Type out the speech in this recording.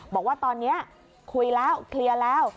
บอกว่าตอนนี้คุยแล้วเคลียร์แล้ว